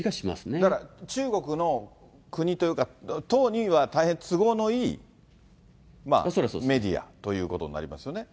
だから、中国の国というか、党には大変都合のいいメディアということになりますよね。